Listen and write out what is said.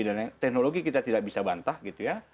dan teknologi kita tidak bisa bantah gitu ya